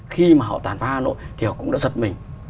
khi mà họ tàn phá hà nội thì họ cũng đã giật mình